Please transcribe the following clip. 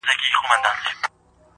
حال د ويلو نه دئ، ځای د ښوولو نه دئ.